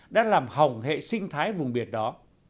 đã làm hỏng hệ sinh thái vùng biệt đó